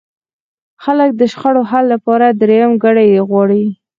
خلک د شخړو حل لپاره درېیمګړی غواړي.